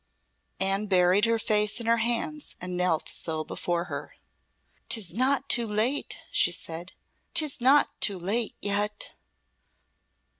Anne buried her face in her hands and knelt so before her. "'Tis not too late!" she said "'tis not too late yet."